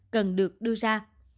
cần được đưa ra